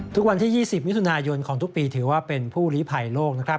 ทุกวันที่๒๐มิถุนายนของทุกปีถือว่าเป็นผู้ลิภัยโลกนะครับ